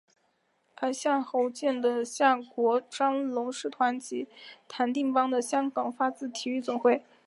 而夏德健的夏国璋龙狮团及谭定邦的香港发强体育总会过去都有参与龙狮节表演。